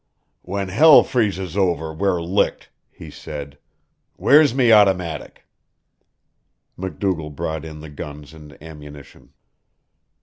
"When hell freezes over, we're licked," he said. "Where's me automatic?" MacDougall brought in the guns and ammunition.